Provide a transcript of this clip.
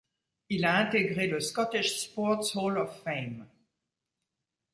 Il a intégré le Scottish Sports Hall of Fame.